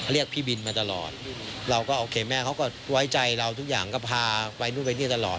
เรียกพี่บินมาตลอดเราก็โอเคแม่เขาก็ไว้ใจเราทุกอย่างก็พาไปนู่นไปนี่ตลอด